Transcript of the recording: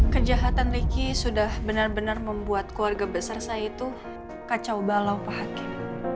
kejahatan ricky sudah benar benar membuat keluarga besar saya itu kacau balau pak hakim